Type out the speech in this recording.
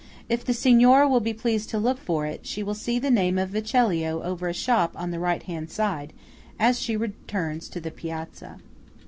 If the Signora will be pleased to look for it, she will see the name of Vecellio over a shop on the right hand side, as she returns to the Piazza."